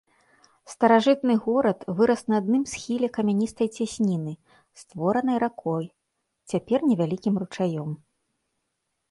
Старажытны горад вырас на адным схіле камяністай цясніны, створанай ракой, цяпер невялікім ручаём.